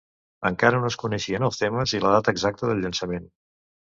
Encara no es coneixen els temes i la data exacta del llançament.